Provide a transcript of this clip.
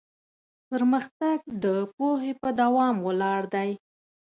پرمختګ د پوهې په دوام ولاړ دی.